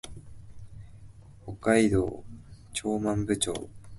北海道長万部町